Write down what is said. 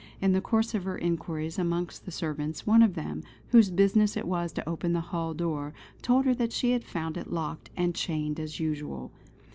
In the course of her enquiries amongst the servants, one of them, whose business it was to open the hall door, told her that she had found it locked and chained as usual.